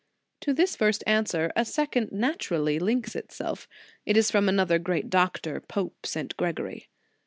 To this first answer, a second naturally links itself. It is from another great doctor, Pope St. Gregory.